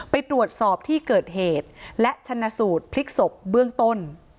ไปตรวจสอบที่เกิดเหตุและชนะสูตรพลิกศพเบื้องต้น